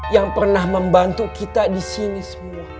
yang pernah membantu kita disini semua